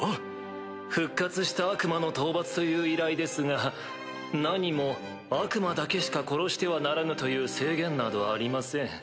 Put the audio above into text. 復活した悪魔の討伐という依頼ですが何も悪魔だけしか殺してはならぬという制限などありません。